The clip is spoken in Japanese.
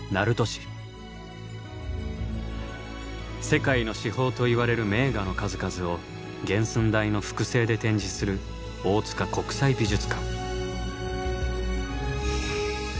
世界の至宝といわれる名画の数々を原寸大の複製で展示する大塚国際美術館。